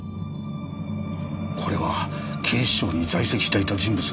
これは警視庁に在籍していた人物のようですな。